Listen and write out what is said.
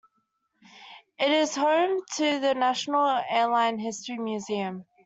It is home to the National Airline History Museum.